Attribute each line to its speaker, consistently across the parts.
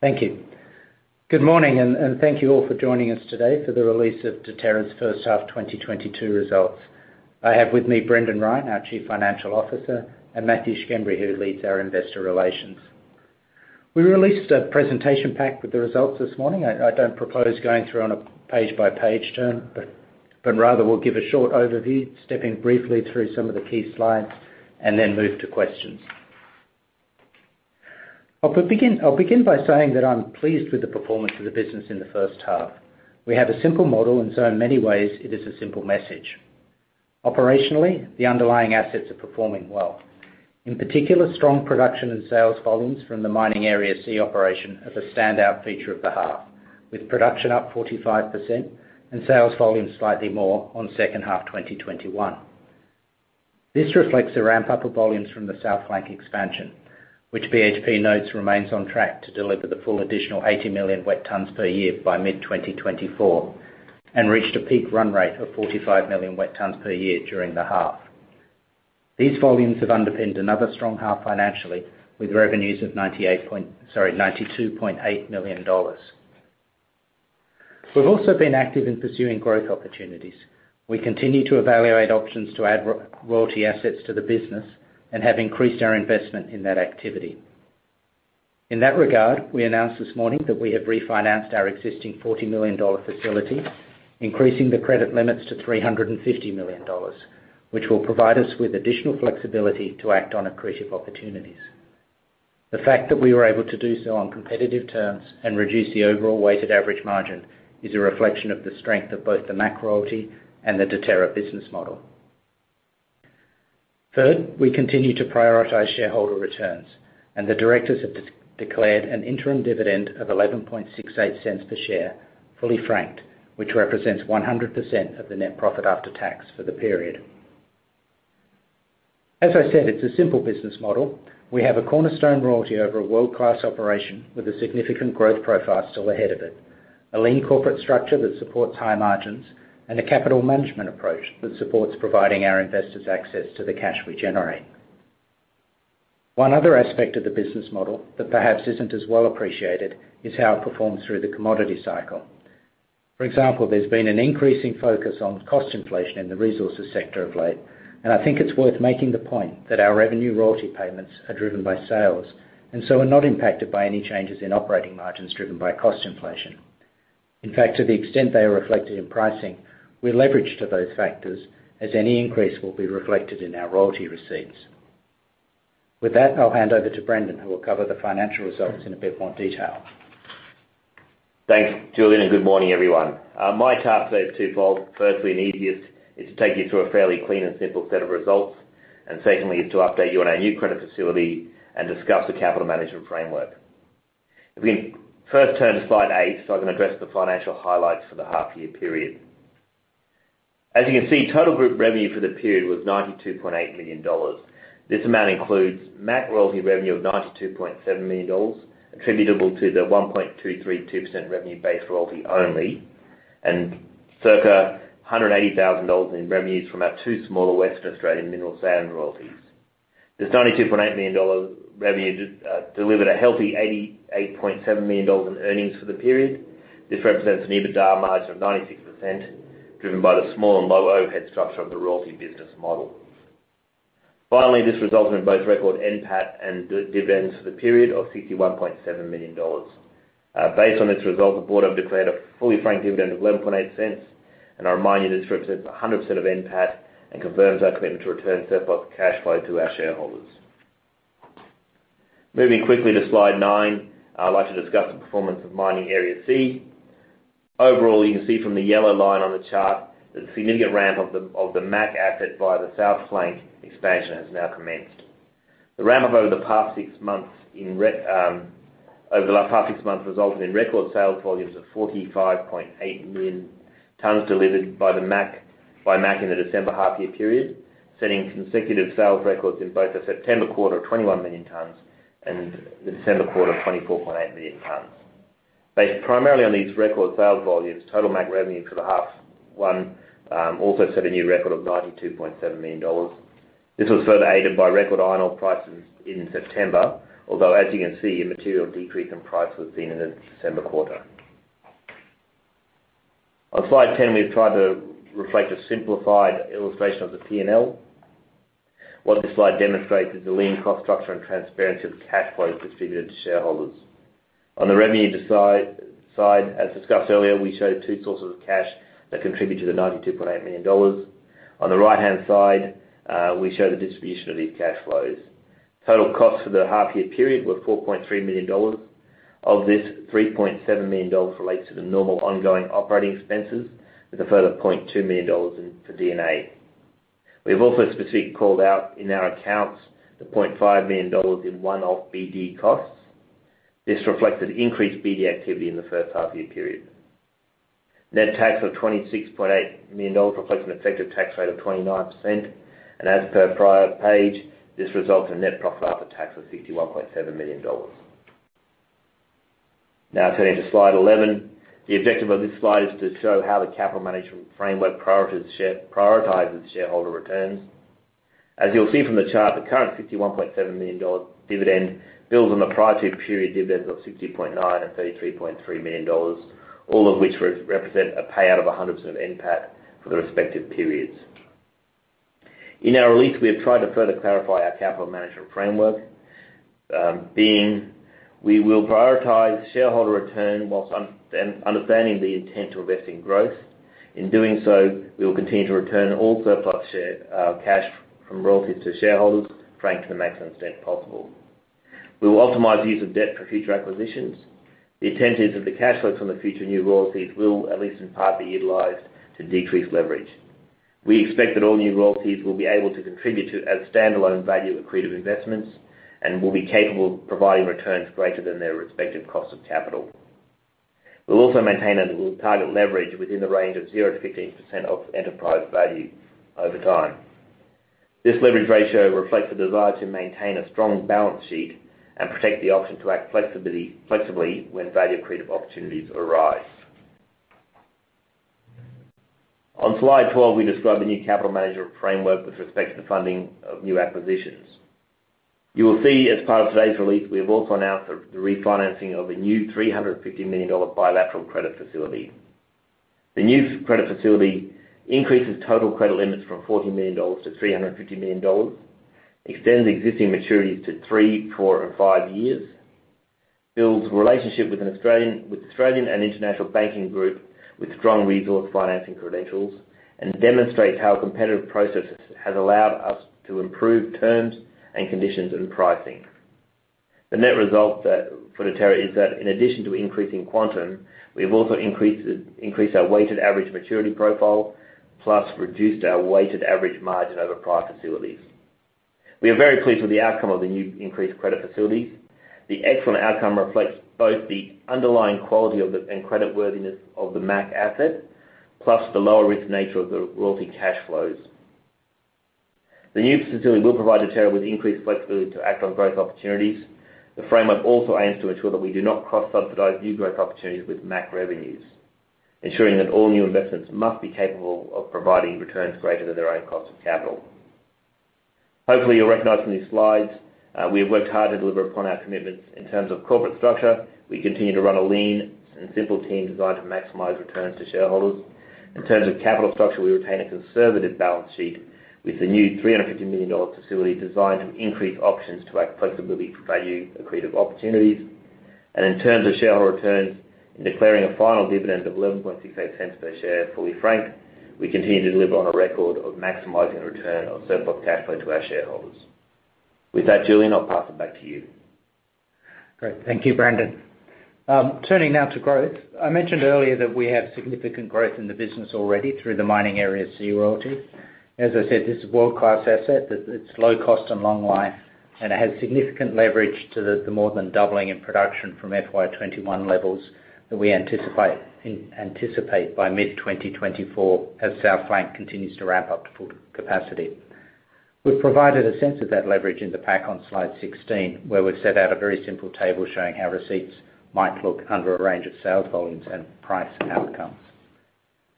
Speaker 1: Thank you. Good morning, and thank you all for joining us today for the release of Deterra's first half 2022 results. I have with me Brendan Ryan, our Chief Financial Officer, and Matthew Schembri, who leads our Investor Relations. We released a presentation pack with the results this morning. I don't propose going through on a page-by-page basis, but rather will give a short overview, stepping briefly through some of the key slides, and then move to questions. I'll begin by saying that I'm pleased with the performance of the business in the first half. We have a simple model, and so in many ways it is a simple message. Operationally, the underlying assets are performing well. In particular, strong production and sales volumes from the Mining Area C operation as a standout feature of the half, with production up 45% and sales volumes slightly more on second half 2021. This reflects the ramp up of volumes from the South Flank expansion, which BHP notes remains on track to deliver the full additional 80 million wet tonnes per year by mid-2024, and reached a peak run rate of 45 million wet tonnes per year during the half. These volumes have underpinned another strong half financially with revenues of 92.8 million dollars. We've also been active in pursuing growth opportunities. We continue to evaluate options to add royalty assets to the business and have increased our investment in that activity. In that regard, we announced this morning that we have refinanced our existing 40 million dollar facility, increasing the credit limits to 350 million dollars, which will provide us with additional flexibility to act on accretive opportunities. The fact that we were able to do so on competitive terms and reduce the overall weighted average margin is a reflection of the strength of both the MAC royalty and the Deterra business model. Third, we continue to prioritize shareholder returns, and the directors have declared an interim dividend of 0.1168 per share, fully franked, which represents 100% of the net profit after tax for the period. As I said, it's a simple business model. We have a cornerstone royalty over a world-class operation with a significant growth profile still ahead of it, a lean corporate structure that supports high margins, and a capital management approach that supports providing our investors access to the cash we generate. One other aspect of the business model that perhaps isn't as well appreciated is how it performs through the commodity cycle. For example, there's been an increasing focus on cost inflation in the resources sector of late, and I think it's worth making the point that our revenue royalty payments are driven by sales, and so are not impacted by any changes in operating margins driven by cost inflation. In fact, to the extent they are reflected in pricing, we're leveraged to those factors, as any increase will be reflected in our royalty receipts. With that, I'll hand over to Brendan, who will cover the financial results in a bit more detail.
Speaker 2: Thanks, Julian, and good morning, everyone. My task today is twofold. Firstly, and easiest, is to take you through a fairly clean and simple set of results. Secondly, is to update you on our new credit facility and discuss the capital management framework. If we first turn to Slide 8 so I can address the financial highlights for the half year period. As you can see, total group revenue for the period was 92.8 million dollars. This amount includes MAC royalty revenue of 92.7 million dollars attributable to the 1.232% revenue base royalty only, and circa 180,000 dollars in revenues from our two smaller Western Australian mineral sand royalties. This 92.8 million dollar revenue delivered a healthy 88.7 million dollars in earnings for the period. This represents an EBITDA margin of 96%, driven by the small and low overhead structure of the royalty business model. Finally, this resulted in both record NPAT and dividends for the period of 61.7 million dollars. Based on this result, the board have declared a fully franked dividend of 0.118, and I remind you this represents 100% of NPAT and confirms our commitment to return surplus cash flow to our shareholders. Moving quickly to Slide 9, I'd like to discuss the performance of Mining Area C. Overall, you can see from the yellow line on the chart the significant ramp of the MAC asset via the South Flank expansion has now commenced. The ramp up over the past six months resulted in record sales volumes of 45.8 million tonnes delivered by MAC in the December half year period, setting consecutive sales records in both the September quarter of 21 million tonnes and the December quarter of 24.8 million tonnes. Based primarily on these record sales volumes, total MAC revenue for the H1 also set a new record of 92.7 million dollars. This was further aided by record iron ore prices in September, although as you can see, a material decrease in price was seen in the December quarter. On Slide 10, we've tried to reflect a simplified illustration of the P&L. What this slide demonstrates is the lean cost structure and transparency of the cash flow distributed to shareholders. On the revenue side, as discussed earlier, we show two sources of cash that contribute to the 92.8 million dollars. On the right-hand side, we show the distribution of these cash flows. Total costs for the half year period were 4.3 million dollars. Of this, 3.7 million dollars relates to the normal ongoing operating expenses with a further 0.2 million dollars in, for D&A. We have also specifically called out in our accounts the 0.5 million dollars in one-off BD costs. This reflected increased BD activity in the first half year period. Net tax of 26.8 million dollars reflects an effective tax rate of 29%. As per prior page, this results in net profit after tax of 61.7 million dollars. Now turning to Slide 11. The objective of this slide is to show how the capital management framework prioritizes shareholder returns. As you'll see from the chart, the current AUD 61.7 million dividend builds on the prior two period dividends of 60.9 million and AUD 33.3 million, all of which represent a payout of 100% NPAT for the respective periods. In our release, we have tried to further clarify our capital management framework. We will prioritize shareholder return whilst understanding the intent to invest in growth. In doing so, we will continue to return all surplus cash from royalties to shareholders, franked to the maximum extent possible. We will optimize use of debt for future acquisitions. The intent is that the cash flows from the future new royalties will, at least in part, be utilized to decrease leverage. We expect that all new royalties will be able to contribute as standalone value accretive investments, and will be capable of providing returns greater than their respective cost of capital. We'll also maintain and target leverage within the range of 0%-15% of enterprise value over time. This leverage ratio reflects the desire to maintain a strong balance sheet and protect the option to act flexibly when value accretive opportunities arise. On Slide 12, we describe the new capital management framework with respect to the funding of new acquisitions. You will see as part of today's release, we have also announced the refinancing of a new 350 million dollar bilateral credit facility. The new credit facility increases total credit limits from 40 million dollars to 350 million dollars, extends existing maturities to three, four, and five years, builds relationship with Australian and international banking group with strong resource financing credentials, and demonstrates how a competitive process has allowed us to improve terms and conditions and pricing. The net result that for Deterra is that in addition to increasing quantum, we have also increased our weighted average maturity profile, plus reduced our weighted average margin over prior facilities. We are very pleased with the outcome of the new increased credit facilities. The excellent outcome reflects both the underlying quality of the and creditworthiness of the MAC asset, plus the lower risk nature of the royalty cash flows. The new facility will provide Deterra with increased flexibility to act on growth opportunities. The framework also aims to ensure that we do not cross-subsidize new growth opportunities with MAC revenues, ensuring that all new investments must be capable of providing returns greater than their own cost of capital. Hopefully, you'll recognize from these slides, we have worked hard to deliver upon our commitments in terms of corporate structure. We continue to run a lean and simple team designed to maximize returns to shareholders. In terms of capital structure, we retain a conservative balance sheet with the new 350 million dollar facility designed to increase options to act flexibly for value accretive opportunities. In terms of shareholder returns, in declaring a final dividend of 0.1168 per share, fully franked, we continue to deliver on a record of maximizing return on surplus cash flow to our shareholders. With that, Julian, I'll pass it back to you.
Speaker 1: Great. Thank you, Brendan. Turning now to growth. I mentioned earlier that we have significant growth in the business already through the Mining Area C royalty. As I said, this is a world-class asset that it's low cost and long life, and it has significant leverage to the more than doubling in production from FY 2021 levels that we anticipate by mid-2024 as South Flank continues to ramp up to full capacity. We've provided a sense of that leverage in the pack on Slide 16, where we've set out a very simple table showing how receipts might look under a range of sales volumes and price outcomes.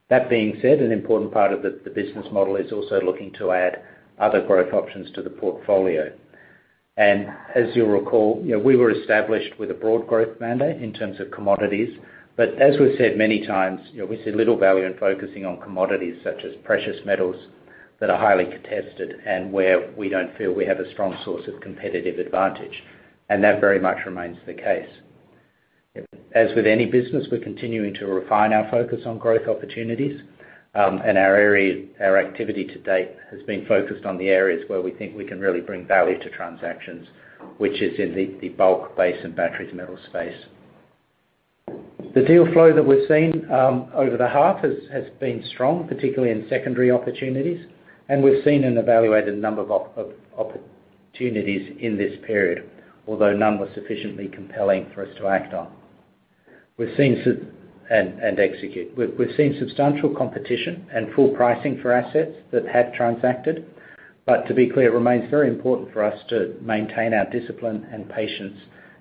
Speaker 1: That being said, an important part of the business model is also looking to add other growth options to the portfolio. As you'll recall, you know, we were established with a broad growth mandate in terms of commodities. But as we've said many times, you know, we see little value in focusing on commodities such as precious metals that are highly contested and where we don't feel we have a strong source of competitive advantage. That very much remains the case. As with any business, we're continuing to refine our focus on growth opportunities. Our activity to date has been focused on the areas where we think we can really bring value to transactions, which is in the bulk base and batteries metal space. The deal flow that we've seen over the half has been strong, particularly in secondary opportunities, and we've seen and evaluated a number of opportunities in this period, although none were sufficiently compelling for us to act on. We've seen substantial competition and full pricing for assets that have transacted. To be clear, it remains very important for us to maintain our discipline and patience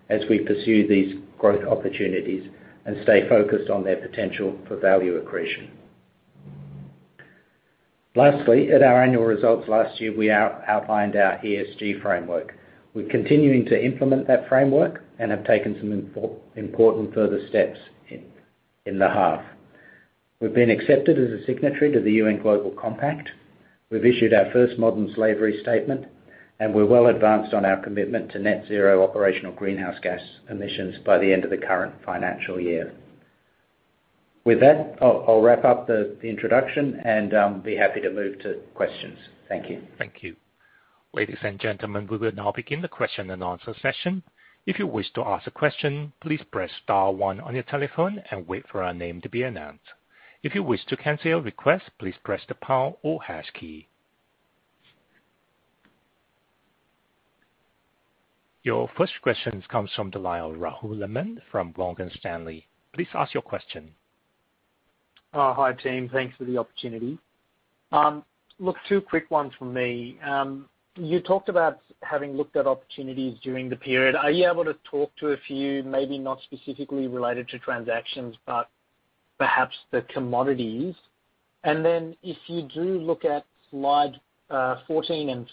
Speaker 1: as we pursue these growth opportunities and stay focused on their potential for value accretion. Lastly, at our annual results last year, we outlined our ESG framework. We're continuing to implement that framework and have taken some important further steps in the half. We've been accepted as a signatory to the UN Global Compact. We've issued our first modern slavery statement, and we're well advanced on our commitment to net zero operational greenhouse gas emissions by the end of the current financial year. With that, I'll wrap up the introduction and be happy to move to questions. Thank you.
Speaker 3: Thank you. Ladies and gentlemen, we will now begin the question and answer session. If you wish to ask a question, please press star one on your telephone and wait for your name to be announced. If you wish to cancel your request, please press the pound or hash key. Your first question comes from the line of Rahul Anand from Morgan Stanley. Please ask your question.
Speaker 4: Oh, hi team. Thanks for the opportunity. Look, two quick ones from me. You talked about having looked at opportunities during the period. Are you able to talk to a few, maybe not specifically related to transactions, but perhaps the commodities? Then if you do look at Slide 14.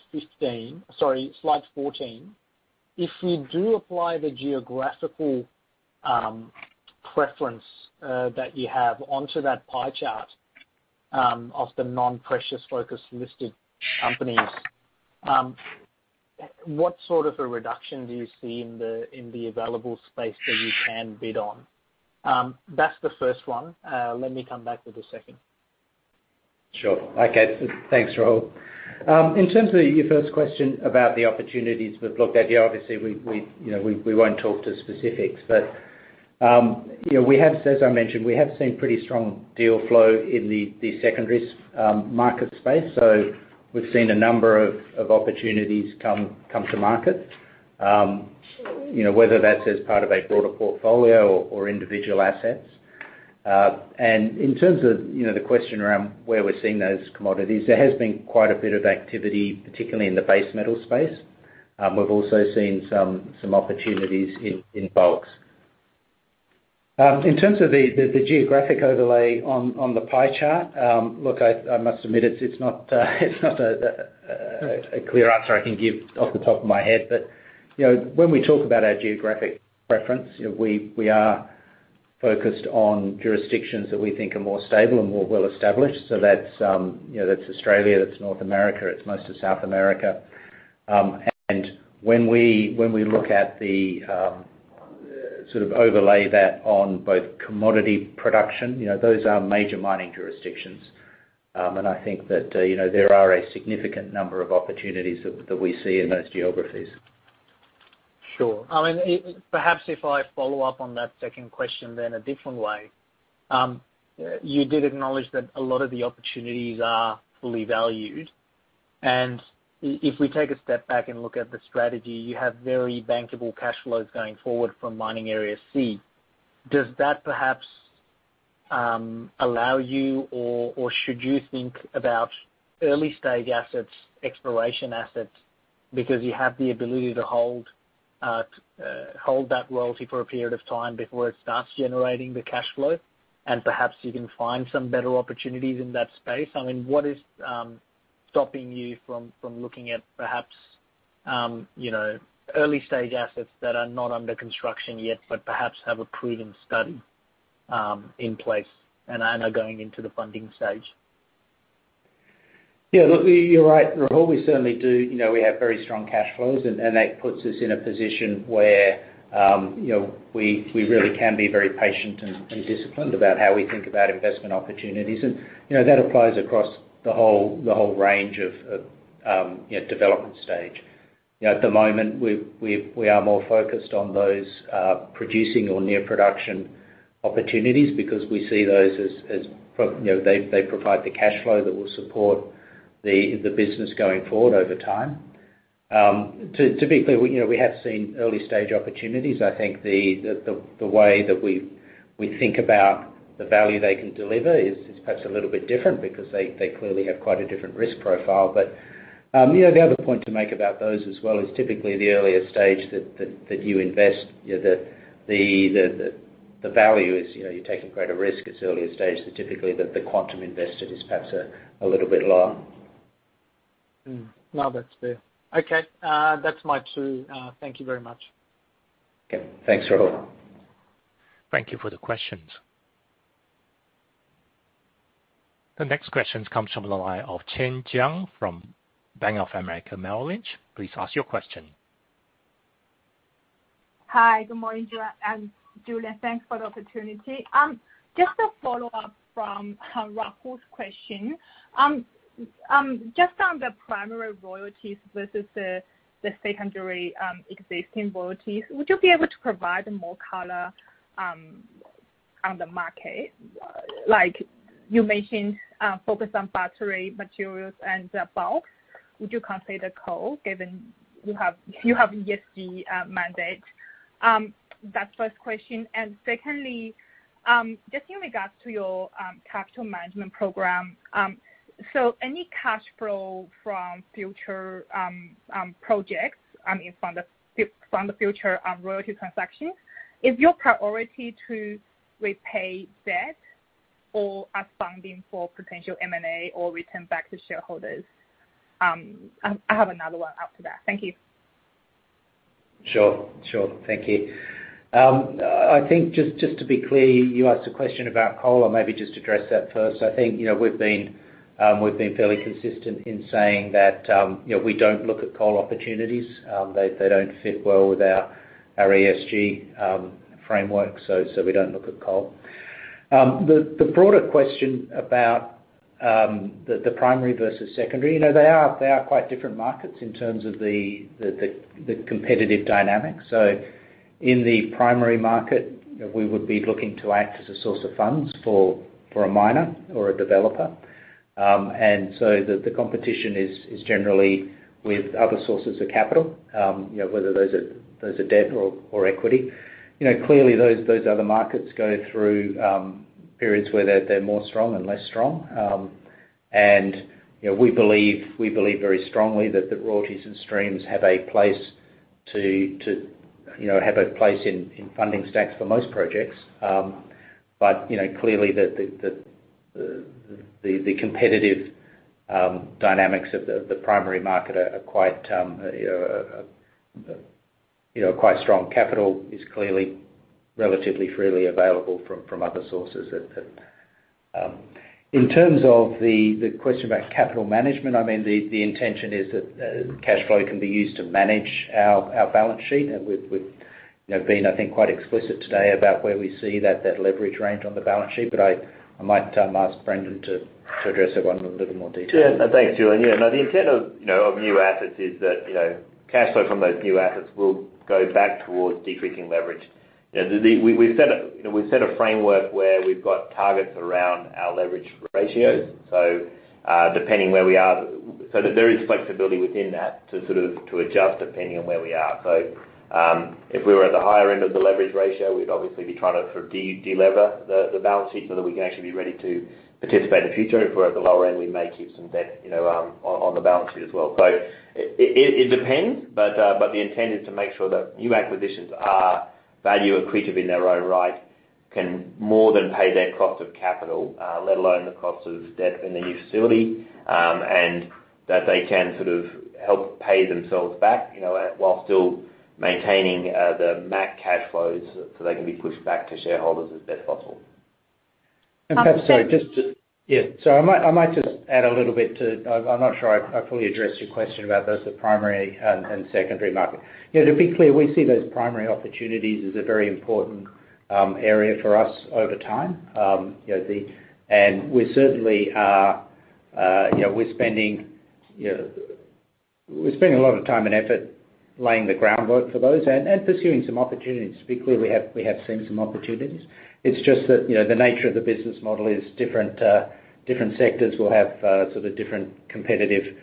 Speaker 4: If you do apply the geographical preference that you have onto that pie chart of the non-precious focus listed companies, what sort of a reduction do you see in the available space that you can bid on? That's the first one. Let me come back with the second.
Speaker 1: Sure. Okay. Thanks, Rahul. In terms of your first question about the opportunities we've looked at, yeah, obviously, you know, we won't talk to specifics. You know, we have, as I mentioned, seen pretty strong deal flow in the secondaries market space. We've seen a number of opportunities come to market. You know, whether that's as part of a broader portfolio or individual assets. In terms of, you know, the question around where we're seeing those commodities, there has been quite a bit of activity, particularly in the base metals space. We've also seen some opportunities in bulks. In terms of the geographic overlay on the pie chart, look, I must admit, it's not a clear answer I can give off the top of my head. You know, when we talk about our geographic preference, you know, we are focused on jurisdictions that we think are more stable and more well-established. That's Australia, that's North America, it's most of South America. When we look at the sort of overlay that on both commodity production, you know, those are major mining jurisdictions. I think that, you know, there are a significant number of opportunities that we see in those geographies.
Speaker 4: Sure. I mean, perhaps if I follow up on that second question then a different way. You did acknowledge that a lot of the opportunities are fully valued. If we take a step back and look at the strategy, you have very bankable cash flows going forward from Mining Area C. Does that perhaps allow you, or should you think about early stage assets, exploration assets, because you have the ability to hold that royalty for a period of time before it starts generating the cash flow? Perhaps you can find some better opportunities in that space. I mean, what is stopping you from looking at perhaps, you know, early stage assets that are not under construction yet, but perhaps have a proven study in place and are going into the funding stage?
Speaker 1: Yeah, look, you're right, Rahul. We certainly do. You know, we have very strong cash flows. That puts us in a position where, you know, we really can be very patient and disciplined about how we think about investment opportunities. You know, that applies across the whole range of, you know, development stage. You know, at the moment, we are more focused on those producing or near production opportunities because we see those as, you know, they provide the cash flow that will support the business going forward over time. To be clear, we, you know, we have seen early stage opportunities. I think the way that we think about the value they can deliver is perhaps a little bit different because they clearly have quite a different risk profile. You know, the other point to make about those as well is typically the earlier stage that you invest, you know, the value is, you know, you're taking greater risk. It's earlier stage, so typically the quantum invested is perhaps a little bit lower.
Speaker 4: No, that's fair. Okay, that's my two. Thank you very much.
Speaker 1: Okay. Thanks, Rahul.
Speaker 3: Thank you for the questions. The next question comes from the line of Jin Jiang from Bank of America Merrill Lynch. Please ask your question.
Speaker 5: Good morning, Julian. Thanks for the opportunity. Just a follow-up from Rahul's question. Just on the primary royalties versus the secondary existing royalties, would you be able to provide more color on the market? Like you mentioned focus on battery materials and the bulk. Would you consider coal given you have ESG mandate? That's first question. Secondly, just in regards to your capital management program, so any cash flow from future projects, I mean, from the future royalty transactions, is your priority to repay debt or are funding for potential M&A or return back to shareholders? I have another one after that. Thank you.
Speaker 1: Sure. Thank you. I think just to be clear, you asked a question about coal. I'll maybe just address that first. I think, you know, we've been fairly consistent in saying that, you know, we don't look at coal opportunities. They don't fit well with our ESG framework. We don't look at coal. The broader question about the primary versus secondary, you know, they are quite different markets in terms of the competitive dynamics. In the primary market, you know, we would be looking to act as a source of funds for a miner or a developer. The competition is generally with other sources of capital, you know, whether those are debt or equity. You know, clearly, those other markets go through periods where they're more strong and less strong. You know, we believe very strongly that the royalties and streams have a place in funding stacks for most projects. You know, clearly the competitive dynamics of the primary market are quite strong. Capital is clearly relatively freely available from other sources. In terms of the question about capital management, I mean, the intention is that cash flow can be used to manage our balance sheet. We've, you know, been, I think, quite explicit today about where we see that leverage range on the balance sheet. I might ask Brendan to address that one in a little more detail.
Speaker 2: Yeah. No, thanks, Julian. Yeah, no, the intent of new assets is that cash flow from those new assets will go back towards decreasing leverage. You know, we've set a framework where we've got targets around our leverage ratios. Depending where we are, there is flexibility within that to sort of adjust depending on where we are. If we were at the higher end of the leverage ratio, we'd obviously be trying to delever the balance sheet so that we can actually be ready to participate in the future. If we're at the lower end, we may keep some debt, you know, on the balance sheet as well. It depends, but the intent is to make sure that new acquisitions are value accretive in their own right, can more than pay their cost of capital, let alone the cost of debt in the new facility, and that they can sort of help pay themselves back, you know, while still maintaining the MAC cash flows so they can be pushed back to shareholders as best possible.
Speaker 1: Perhaps, sorry, just to
Speaker 5: Um, just-
Speaker 1: I might just add a little bit. I'm not sure I fully addressed your question about those, the primary and secondary market. You know, to be clear, we see those primary opportunities as a very important area for us over time. You know, we certainly are spending a lot of time and effort laying the groundwork for those and pursuing some opportunities. To be clear, we have seen some opportunities. It's just that, you know, the nature of the business model is different, sectors will have sort of different competitive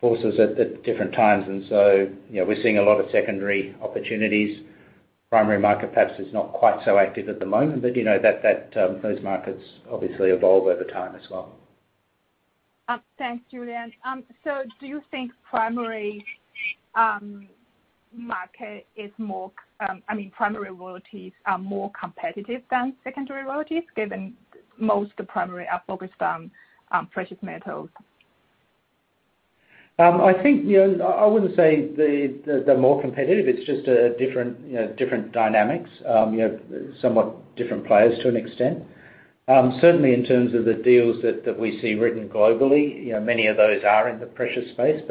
Speaker 1: forces at different times. You know, we're seeing a lot of secondary opportunities. Primary market perhaps is not quite so active at the moment, but, you know, that those markets obviously evolve over time as well.
Speaker 5: Thanks, Julian. Do you think primary royalties are more competitive than secondary royalties, given most of the primary are focused on precious metals?
Speaker 1: I think, you know, I wouldn't say they're more competitive. It's just a different, you know, different dynamics, you know, somewhat different players to an extent. Certainly in terms of the deals that we see written globally, you know, many of those are in the precious space.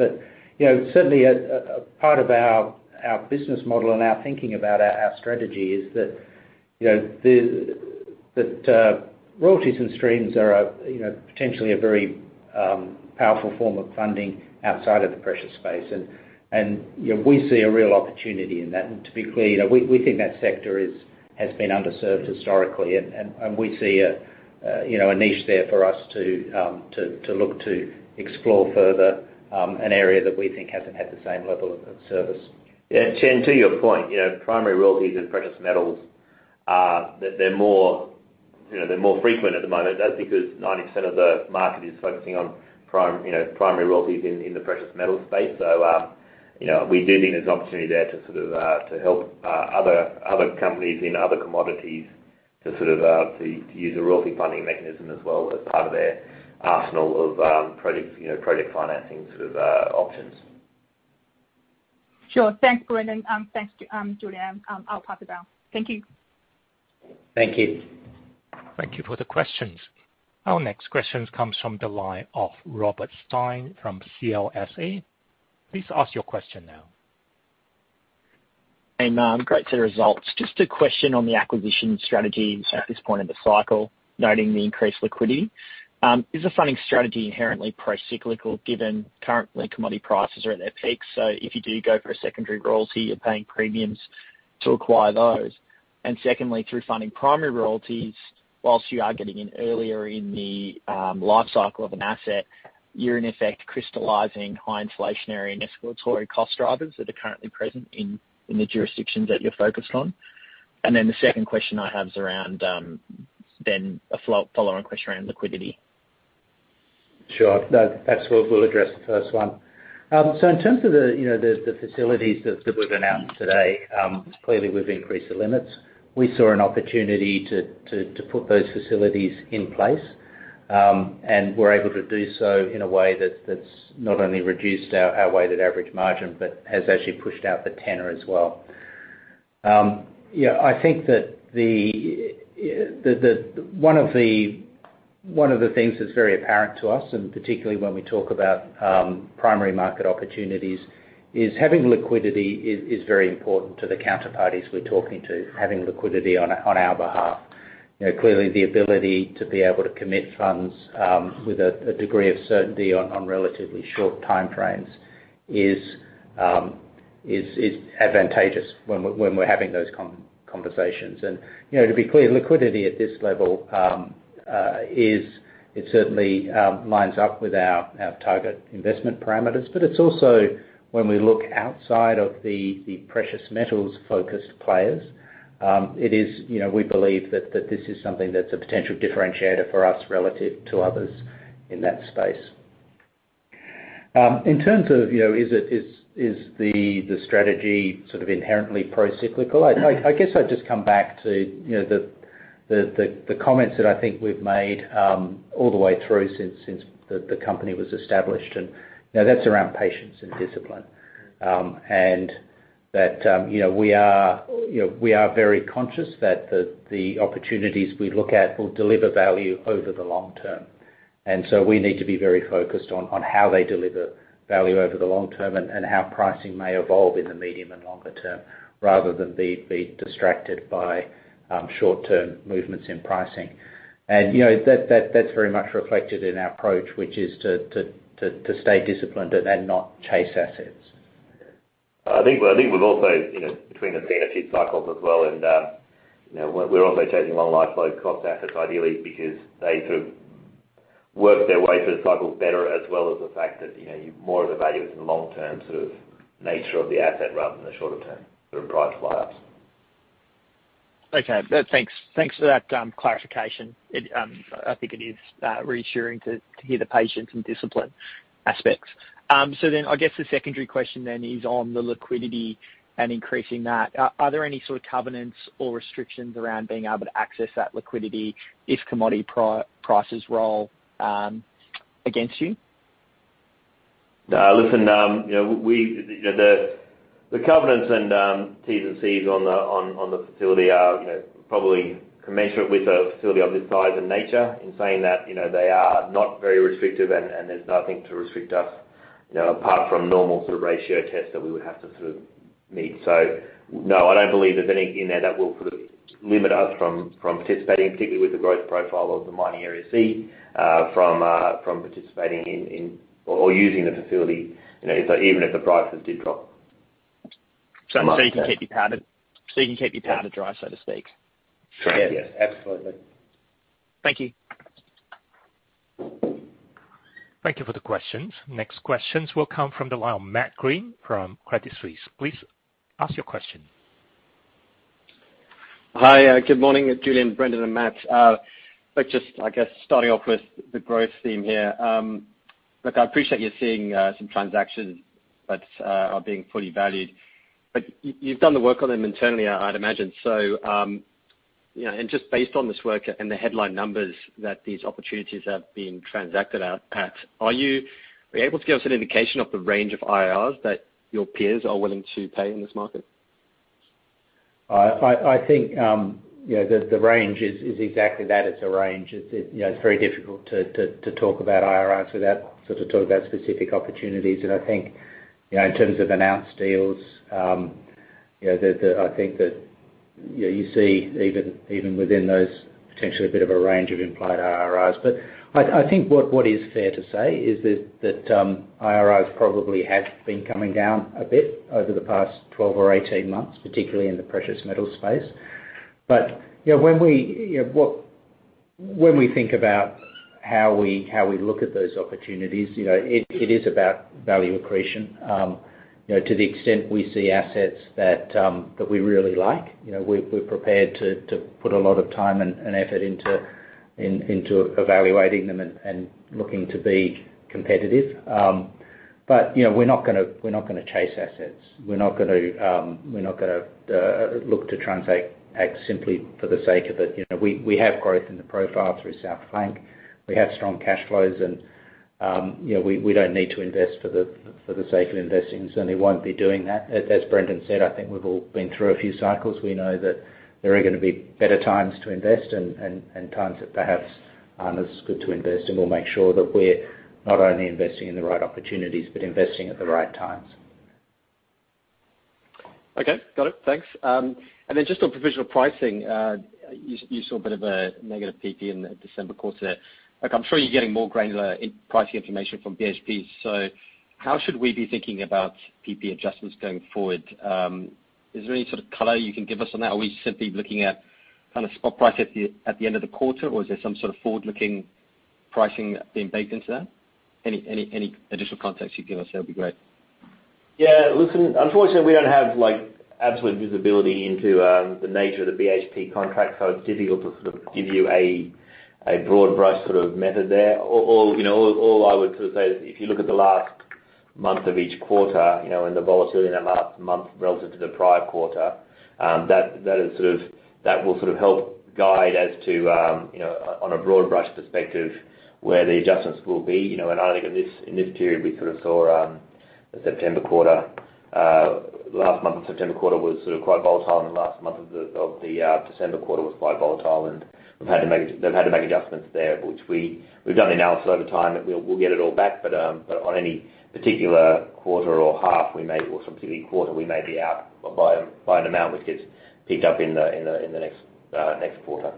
Speaker 1: You know, certainly a part of our business model and our thinking about our strategy is that, you know, that royalties and streams are, you know, potentially a very powerful form of funding outside of the precious space. You know, we see a real opportunity in that. To be clear, you know, we think that sector has been underserved historically. We see, you know, a niche there for us to look to explore further, an area that we think hasn't had the same level of service.
Speaker 2: Yeah. Jin, to your point, you know, primary royalties in precious metals are more frequent at the moment. That's because 90% of the market is focusing on primary, you know, primary royalties in the precious metal space. You know, we do think there's opportunity there to sort of to help other companies in other commodities to sort of to use a royalty funding mechanism as well as part of their arsenal of project financing options.
Speaker 5: Sure. Thanks, Brendan. Thanks, Julian. I'll pass it down. Thank you.
Speaker 1: Thank you.
Speaker 3: Thank you for the questions. Our next question comes from the line of Robert Stein from CLSA. Please ask your question now.
Speaker 6: Great set of results. Just a question on the acquisition strategy at this point in the cycle, noting the increased liquidity. Is the funding strategy inherently procyclical, given currently commodity prices are at their peaks? So if you do go for a secondary royalty, you're paying premiums to acquire those. And secondly, through funding primary royalties, whilst you are getting in earlier in the life cycle of an asset, you're in effect crystallizing high inflationary and escalatory cost drivers that are currently present in the jurisdictions that you're focused on. The second question I have is around then a follow-on question around liquidity.
Speaker 1: Sure. No, perhaps we'll address the first one. So in terms of the, you know, the facilities that we've announced today, clearly we've increased the limits. We saw an opportunity to put those facilities in place, and we're able to do so in a way that's not only reduced our weighted average margin, but has actually pushed out the tenor as well. You know, I think that one of the things that's very apparent to us, and particularly when we talk about primary market opportunities, is having liquidity is very important to the counterparties we're talking to, having liquidity on our behalf. You know, clearly the ability to be able to commit funds with a degree of certainty on relatively short time frames is advantageous when we're having those conversations. You know, to be clear, liquidity at this level is certainly lines up with our target investment parameters. It's also when we look outside of the precious metals-focused players, it is, you know, we believe that this is something that's a potential differentiator for us relative to others in that space. In terms of, you know, is the strategy sort of inherently pro-cyclical? I guess I'd just come back to, you know, the comments that I think we've made all the way through since the company was established. You know, that's around patience and discipline. That you know we are very conscious that the opportunities we look at will deliver value over the long term. We need to be very focused on how they deliver value over the long term and how pricing may evolve in the medium and longer term, rather than be distracted by short-term movements in pricing. You know, that that's very much reflected in our approach, which is to stay disciplined and not chase assets.
Speaker 2: I think we've also, you know, between us, we've seen a few cycles as well and, you know, we're also chasing long life low cost assets, ideally because they sort of work their way through the cycles better, as well as the fact that, you know, you've more of the value is in the long term sort of nature of the asset rather than the shorter term sort of price fly-ups.
Speaker 6: Okay. Thanks. Thanks for that, clarification. It, I think it is reassuring to hear the patience and discipline aspects. I guess the secondary question then is on the liquidity and increasing that. Are there any sort of covenants or restrictions around being able to access that liquidity if commodity prices roll against you?
Speaker 2: Listen, you know, the covenants and T's and C's on the facility are, you know, probably commensurate with a facility of this size and nature. In saying that, you know, they are not very restrictive and there's nothing to restrict us, you know, apart from normal sort of ratio tests that we would have to sort of meet. No, I don't believe there's any in there that will sort of limit us from participating, particularly with the growth profile of the Mining Area C, from participating in or using the facility, you know, so even if the prices did drop.
Speaker 6: You can keep your powder dry, so to speak?
Speaker 2: Sure. Yes. Absolutely.
Speaker 6: Thank you.
Speaker 3: Thank you for the questions. Next questions will come from the line of Matt Greene from Credit Suisse. Please ask your question.
Speaker 7: Hi. Good morning Julian, Brendan, and Matt. Let's just, I guess, starting off with the growth theme here. Look, I appreciate you seeing some transactions that are being fully valued. You've done the work on them internally, I'd imagine. You know, just based on this work and the headline numbers that these opportunities have been transacted out at, are you able to give us an indication of the range of IRRs that your peers are willing to pay in this market?
Speaker 1: I think, you know, the range is exactly that. It's a range. It's, you know, it's very difficult to talk about IRRs without sort of talking about specific opportunities. I think, you know, in terms of announced deals, you know, I think that, you know, you see even within those potentially a bit of a range of implied IRRs. I think what is fair to say is that IRRs probably have been coming down a bit over the past 12 or 18 months, particularly in the precious metal space. You know, when we think about how we look at those opportunities, you know, it is about value accretion. You know, to the extent we see assets that we really like, you know, we're prepared to put a lot of time and effort into evaluating them and looking to be competitive. You know, we're not gonna chase assets. We're not gonna look to transact simply for the sake of it. You know, we have growth in the profile through South Flank. We have strong cash flows and, you know, we don't need to invest for the sake of investing. Certainly won't be doing that. As Brendan said, I think we've all been through a few cycles. We know that there are gonna be better times to invest and times that perhaps aren't as good to invest. We'll make sure that we're not only investing in the right opportunities, but investing at the right times.
Speaker 7: Okay. Got it. Thanks. Just on provisional pricing, you saw a bit of a negative PP in the December quarter. Like, I'm sure you're getting more granular in pricing information from BHP, so how should we be thinking about PP adjustments going forward? Is there any sort of color you can give us on that? Are we simply looking at kind of spot price at the end of the quarter, or is there some sort of forward-looking pricing being baked into that? Any additional context you can give us there would be great.
Speaker 2: Yeah. Listen, unfortunately, we don't have, like, absolute visibility into the nature of the BHP contract, so it's difficult to sort of give you a broad brush sort of method there. You know, all I would sort of say is if you look at the last month of each quarter, you know, and the volatility in that last month relative to the prior quarter, that will sort of help guide as to, you know, on a broad brush perspective, where the adjustments will be. You know, I think in this period, we sort of saw the September quarter. Last month of September quarter was sort of quite volatile, and the last month of the December quarter was quite volatile, and they've had to make adjustments there, which we've done the analysis over time, and we'll get it all back. On any particular quarter or half, we may be out by an amount which gets picked up in the next quarter.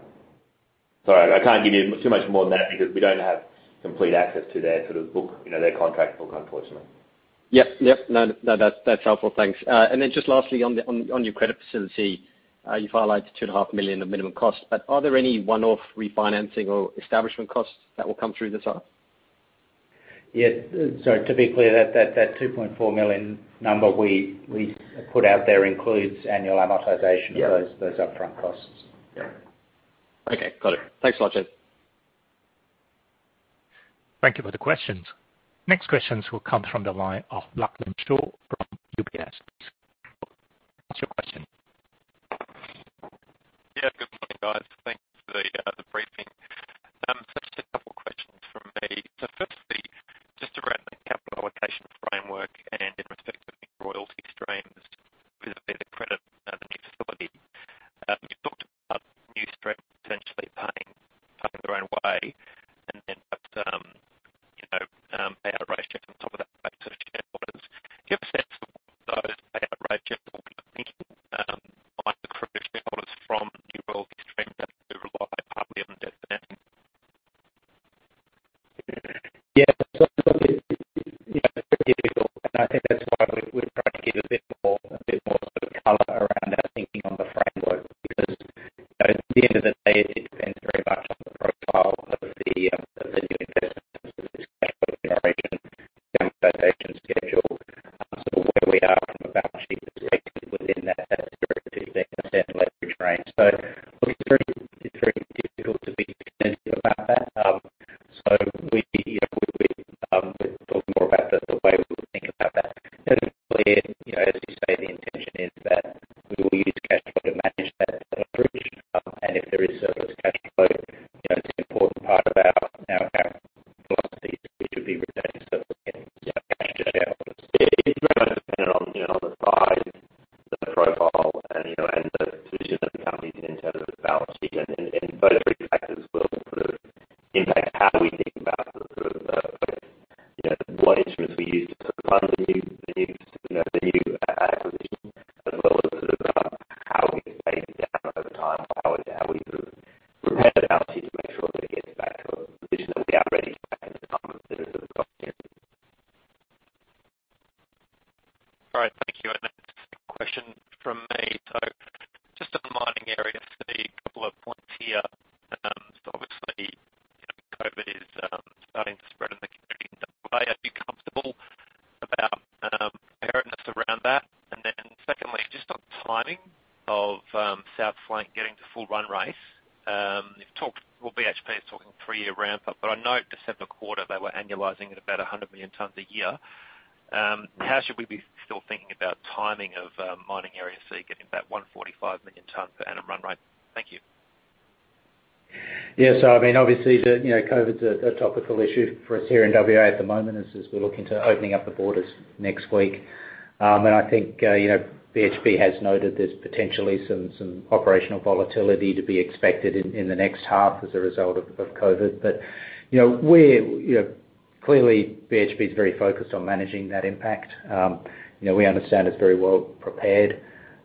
Speaker 2: Sorry, I can't give you too much more than that because we don't have complete access to their sort of book, you know, their contract book, unfortunately.
Speaker 7: Yep. No, that's helpful. Thanks. Then just lastly, on your credit facility, you've highlighted 2.5 million of minimum cost, but are there any one-off refinancing or establishment costs that will come through this half?
Speaker 1: Yes. Sorry, to be clear, that 2.4 million number we put out there includes annual amortization.
Speaker 7: Yeah
Speaker 1: of those upfront costs.
Speaker 2: Yeah.
Speaker 7: Okay. Got it. Thanks a lot, gents.
Speaker 3: Thank you for the questions. Next questions will come from the line of Lachlan Shaw from UBS. Ask your question.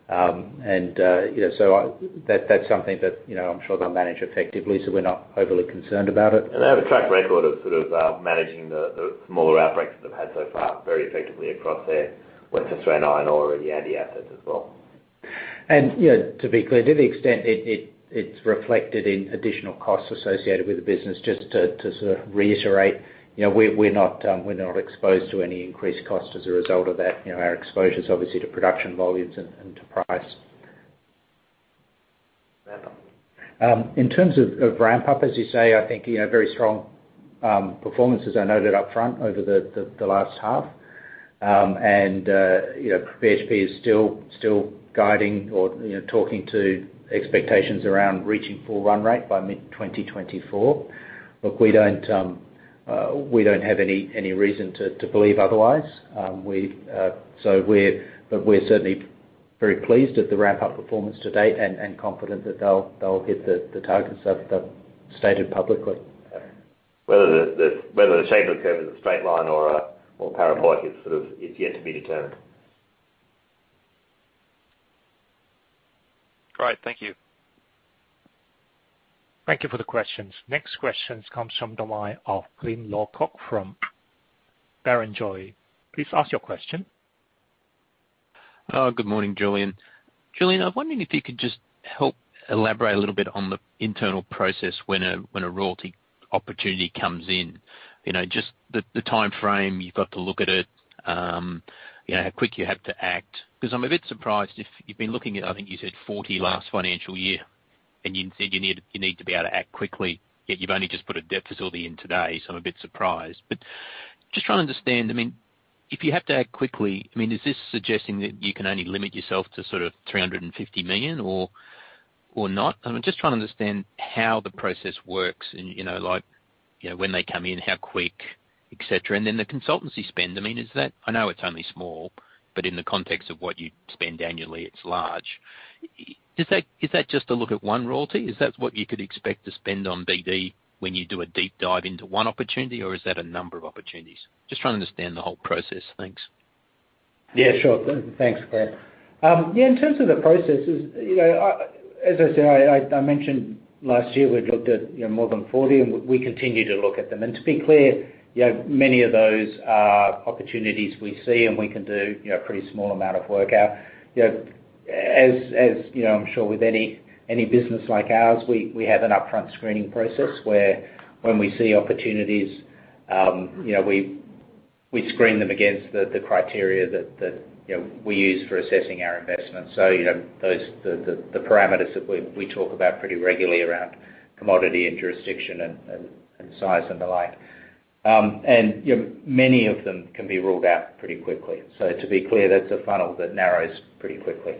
Speaker 1: That's something that you know, I'm sure they'll manage effectively, so we're not overly concerned about it.
Speaker 2: They have a track record of sort of managing the smaller outbreaks that they've had so far very effectively across their Western Australia iron ore and Yandi assets as well.
Speaker 1: You know, to be clear, to the extent it's reflected in additional costs associated with the business, just to sort of reiterate, you know, we're not exposed to any increased cost as a result of that. You know, our exposure is obviously to production volumes and to price.
Speaker 8: Okay.
Speaker 1: In terms of ramp up, as you say, I think, you know, very strong performances are noted upfront over the last half. You know, BHP is still guiding or, you know, talking to expectations around reaching full run rate by mid-2024. Look, we don't have any reason to believe otherwise. We're certainly very pleased at the ramp-up performance to date and confident that they'll hit the targets that they've stated publicly.
Speaker 2: Whether the shape of the curve is a straight line or parabolic, it's sort of yet to be determined.
Speaker 8: All right. Thank you.
Speaker 3: Thank you for the questions. Next question comes from the line of Glyn Lawcock from Barrenjoey. Please ask your question.
Speaker 9: Good morning, Julian. Julian, I'm wondering if you could just help elaborate a little bit on the internal process when a royalty opportunity comes in. You know, just the timeframe you've got to look at it, you know, how quick you have to act. 'Cause I'm a bit surprised if you've been looking at, I think you said 40 last financial year, and you said you need to be able to act quickly, yet you've only just put a debt facility in today. So I'm a bit surprised. But just trying to understand, I mean, if you have to act quickly, I mean, is this suggesting that you can only limit yourself to sort of 350 million or not? I'm just trying to understand how the process works and, you know, like, you know, when they come in, how quick, et cetera. The consultancy spend, I mean, is that? I know it's only small, but in the context of what you spend annually, it's large. Is that just to look at one royalty? Is that what you could expect to spend on BD when you do a deep dive into one opportunity, or is that a number of opportunities? Just trying to understand the whole process. Thanks.
Speaker 1: Yeah, sure. Thanks, Glyn. Yeah, in terms of the processes, you know, as I said, I mentioned last year we've looked at, you know, more than 40, and we continue to look at them. To be clear, you know, many of those are opportunities we see and we can do, you know, a pretty small amount of work out. You know, as you know, I'm sure with any business like ours, we have an upfront screening process where when we see opportunities, you know, we screen them against the criteria that you know, we use for assessing our investments. You know, those, the parameters that we talk about pretty regularly around commodity and jurisdiction and size and the like. You know, many of them can be ruled out pretty quickly. To be clear, that's a funnel that narrows pretty quickly.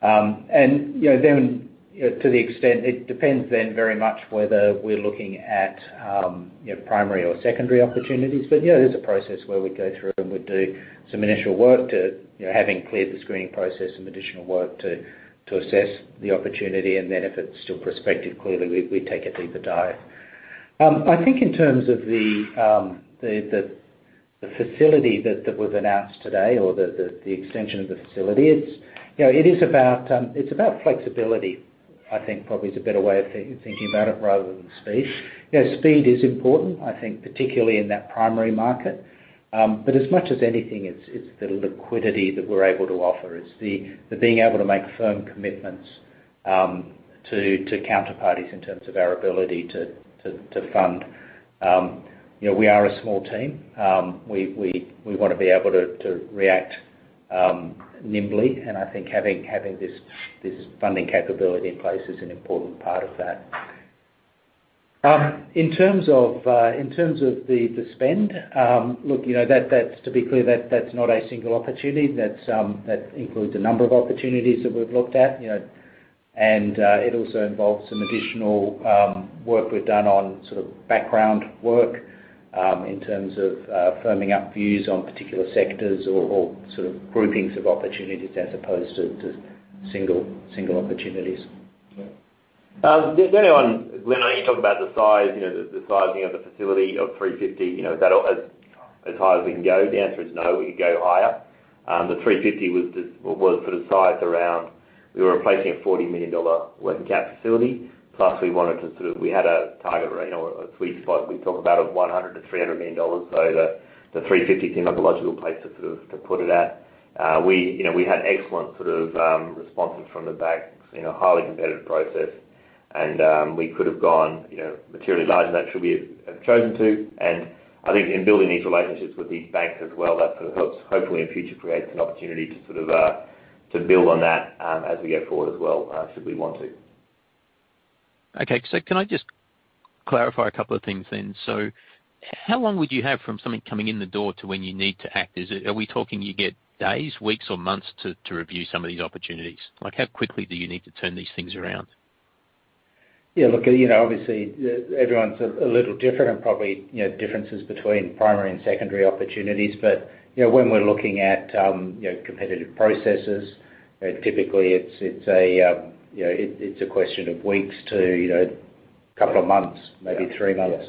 Speaker 1: To the extent it depends very much whether we're looking at, you know, primary or secondary opportunities. But yeah, there's a process where we go through and we do some initial work to having cleared the screening process, some additional work to assess the opportunity. Then if it's still prospective, clearly, we take a deeper dive. I think in terms of the facility that was announced today or the extension of the facility, it is about flexibility, I think probably is a better way of thinking about it rather than speed. You know, speed is important, I think particularly in that primary market. As much as anything, it's the liquidity that we're able to offer. It's the being able to make firm commitments to counterparties in terms of our ability to fund. You know, we are a small team. We wanna be able to react nimbly, and I think having this funding capability in place is an important part of that. In terms of the spend, look, you know, that's to be clear, that's not a single opportunity. That includes a number of opportunities that we've looked at, you know. It also involves some additional work we've done on sort of background work in terms of firming up views on particular sectors or sort of groupings of opportunities as opposed to single opportunities.
Speaker 2: The other one, Glyn, I know you talked about the size, you know, the sizing of the facility of 350 million, you know, is that as high as we can go? The answer is no, we could go higher. The 350 million was sort of sized around. We were replacing a 40 million dollar working cap facility, plus we wanted to, we had a target range or a sweet spot we talk about of 100 million-300 million dollars. The 350 million seemed like a logical place to sort of to put it at. We, you know, we had excellent sort of responses from the banks in a highly competitive process, and we could have gone, you know, materially larger than that should we have chosen to. I think in building these relationships with these banks as well, that sort of helps, hopefully in future creates an opportunity to sort of to build on that, as we go forward as well, should we want to.
Speaker 9: Okay. Can I just clarify a couple of things then? How long would you have from something coming in the door to when you need to act? Is it, are we talking you get days, weeks, or months to review some of these opportunities? Like, how quickly do you need to turn these things around?
Speaker 1: Yeah, look, you know, obviously everyone's a little different and probably, you know, differences between primary and secondary opportunities. You know, when we're looking at, you know, competitive processes, you know, typically it's a question of weeks to, you know, couple of months, maybe three months,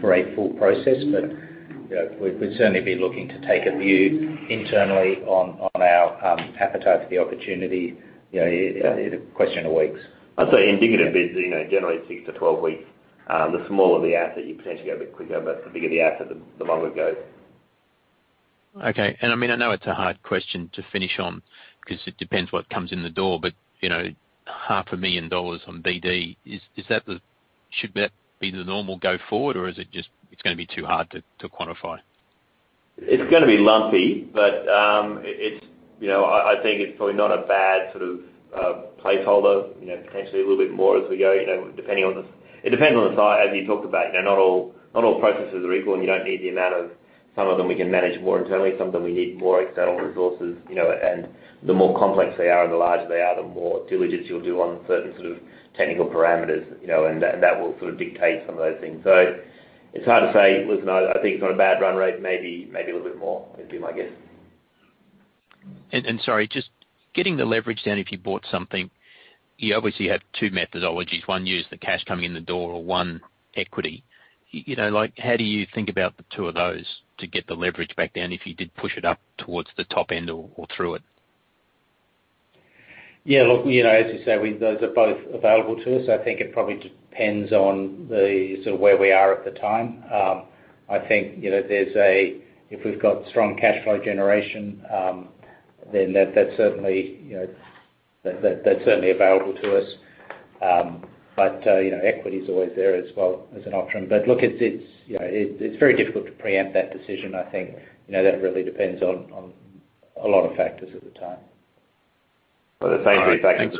Speaker 1: for a full process. You know, we'd certainly be looking to take a view internally on our appetite for the opportunity. You know, it's a question of weeks.
Speaker 2: I'd say indicative bids, you know, generally 6-12 weeks. The smaller the asset, you potentially go a bit quicker, but the bigger the asset, the longer it goes.
Speaker 9: Okay. I mean, I know it's a hard question to finish on 'cause it depends what comes in the door, but, you know, $500,000 on BD, is that the, should that be the normal go forward, or is it just, it's gonna be too hard to quantify?
Speaker 2: It's gonna be lumpy, but it's, you know. I think it's probably not a bad sort of placeholder, you know, potentially a little bit more as we go, you know, depending on the size, as you talked about. You know, not all processes are equal, and you don't need the amount of some of them we can manage more internally, some of them we need more external resources. You know, and the more complex they are and the larger they are, the more diligence you'll do on certain sort of technical parameters, you know, and that will sort of dictate some of those things. It's hard to say. Listen, I think it's not a bad run rate. Maybe a little bit more would be my guess.
Speaker 9: Sorry, just getting the leverage down if you bought something, you obviously have two methodologies. One, use the cash coming in the door, or one, equity. You know, like, how do you think about the two of those to get the leverage back down if you did push it up towards the top end or through it?
Speaker 1: Yeah, look, you know, as you say, those are both available to us. I think it probably depends on the sort of where we are at the time. I think, you know, if we've got strong cash flow generation, then that's certainly, you know, available to us. You know, equity's always there as well as an option. Look, it's very difficult to preempt that decision. I think, you know, that really depends on a lot of factors at the time.
Speaker 2: the same three factors.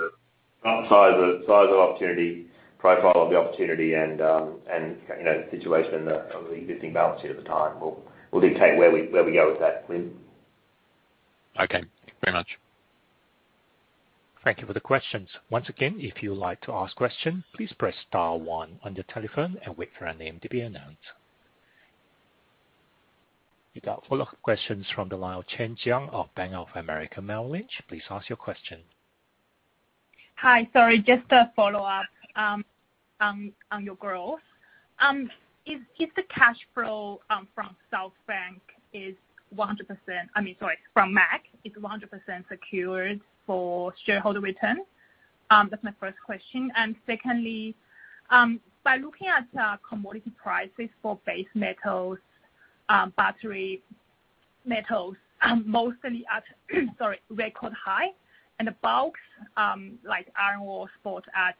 Speaker 9: All right. Thanks.
Speaker 2: Size of opportunity, profile of the opportunity, and you know, the situation and of the existing balance sheet at the time will dictate where we go with that, Glyn.
Speaker 9: Okay. Thank you very much.
Speaker 3: Thank you for the questions. Once again, if you would like to ask question, please press star one on your telephone and wait for your name to be announced. We got follow-up questions from the line of Jin Jiang of Bank of America Merrill Lynch. Please ask your question.
Speaker 5: Hi. Sorry, just a follow-up on your growth. Is the cash flow from MAC 100% secured for shareholder return? That's my first question. Secondly, by looking at commodity prices for base metals, battery metals, mostly at record high and the bulks like iron ore spot at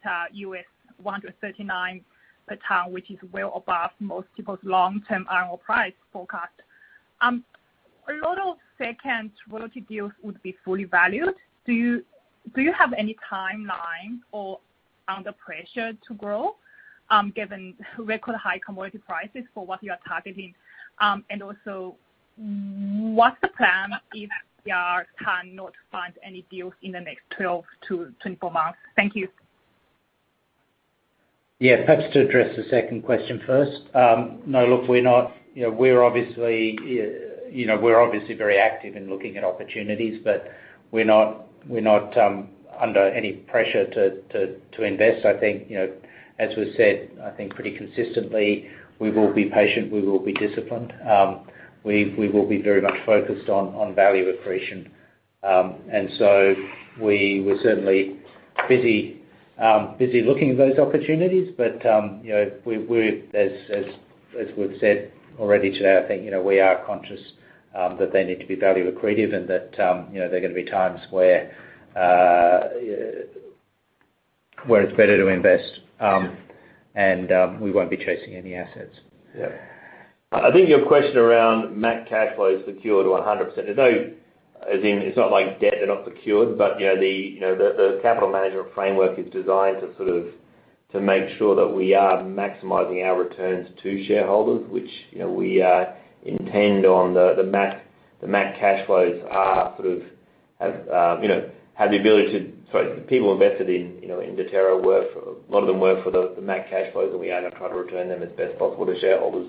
Speaker 5: $139 a ton, which is well above most people's long-term iron ore price forecast. A lot of second royalty deals would be fully valued. Do you have any timeline or under pressure to grow given record high commodity prices for what you are targeting? And also what's the plan if you cannot find any deals in the next 12-24 months? Thank you.
Speaker 1: Yeah. Perhaps to address the second question first. No, look, we're not, you know, we're obviously very active in looking at opportunities, but we're not under any pressure to invest. I think, you know, as we've said, I think pretty consistently we will be patient, we will be disciplined. We will be very much focused on value accretion. We're certainly busy looking at those opportunities. You know, as we've said already today, I think, you know, we are conscious that they need to be value accretive and that, you know, there are gonna be times where it's better to invest. We won't be chasing any assets.
Speaker 2: Yeah. I think your question around MAC cash flow is secured to 100%. As in, it's not like debt, they're not secured. You know, the capital management framework is designed to sort of make sure that we are maximizing our returns to shareholders, which, you know, we intend on the MAC cash flows sort of having the ability to. Sorry. People invested, you know, in Deterra were for, a lot of them were for the MAC cash flows, and we owe it to try to return them as best possible to shareholders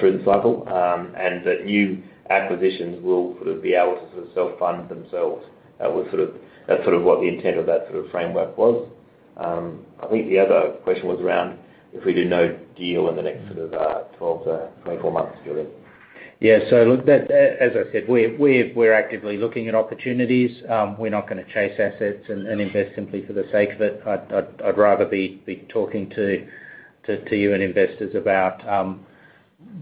Speaker 2: through the cycle. That new acquisitions will sort of be able to sort of self-fund themselves. That was sort of, that's sort of what the intent of that sort of framework was. I think the other question was around if we do no deal in the next sort of, 12-24 months period.
Speaker 1: Yeah. Look, as I said, we're actively looking at opportunities. We're not gonna chase assets and invest simply for the sake of it. I'd rather be talking to you and investors about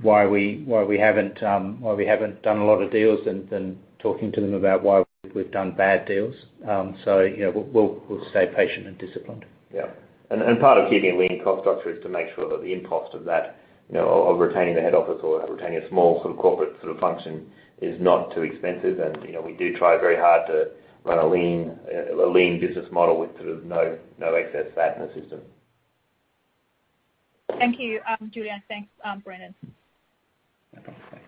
Speaker 1: why we haven't done a lot of deals than talking to them about why we've done bad deals. You know, we'll stay patient and disciplined.
Speaker 2: Yeah. Part of keeping a lean cost structure is to make sure that the input of that, you know, of retaining the head office or retaining a small sort of corporate sort of function is not too expensive. You know, we do try very hard to run a lean business model with sort of no excess fat in the system.
Speaker 5: Thank you, Julian. Thanks, Brendan.
Speaker 2: No problem. Thanks.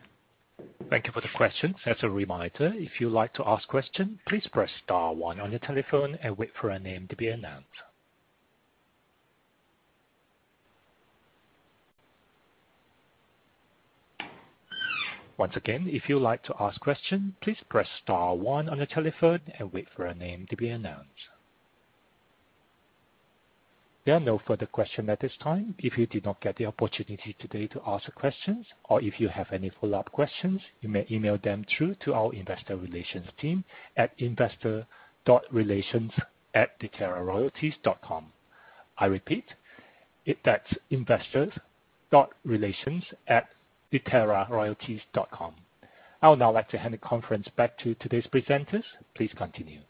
Speaker 3: Thank you for the question. As a reminder, if you'd like to ask a question, please press star one on your telephone and wait for a name to be announced. Once again, if you'd like to ask a question, please press star one on your telephone and wait for a name to be announced. There are no further questions at this time. If you did not get the opportunity today to ask questions, or if you have any follow-up questions, you may email them through to our investor relations team at investor.relations@deterraroyalties.com. I repeat, it's investor.relations@deterraroyalties.com. I would now like to hand the conference back to today's presenters. Please continue.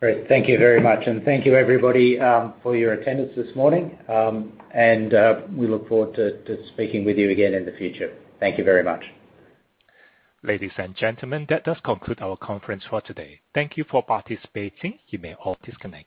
Speaker 1: Great. Thank you very much, and thank you everybody, for your attendance this morning. We look forward to speaking with you again in the future. Thank you very much.
Speaker 3: Ladies and gentlemen, that does conclude our conference for today. Thank you for participating. You may all disconnect.